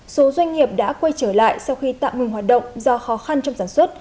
số doanh nghiệp đã quay trở lại sau khi tạm ngừng hoạt động do khó khăn trong sản xuất